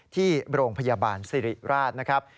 ที่โรงพยาบาลสิริราชนะครับ